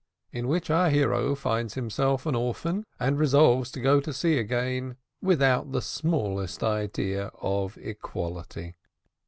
IN WHICH OUR HERO FINDS HIMSELF AN ORPHAN, AND RESOLVES TO GO TO SEA AGAIN, WITHOUT THE SMALLEST IDEA OF EQUALITY.